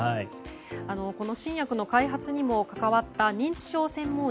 この新薬の開発にも関わった認知症専門医